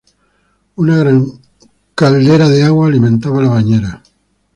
Una gran caldera de agua alimentaba la bañera.